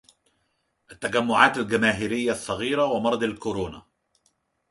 التجمعات الجماهيرية الصغيرة ومرض الكورونا